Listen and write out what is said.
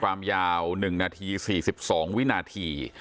ความยาว๑นาที๔๒วินาที